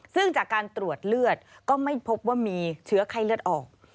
ซึ่งจากการตรวจเลือดก็ไม่พบว่ามีเชื้อไข้เลือดออก